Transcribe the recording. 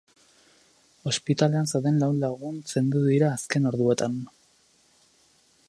Ospitalean zeuden lau lagun zendu dira azken orduetan.